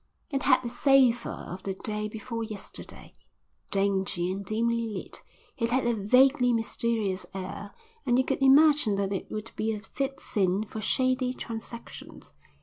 It had the savour of the day before yesterday. Dingy and dimly lit, it had a vaguely mysterious air and you could imagine that it would be a fit scene for shady transactions.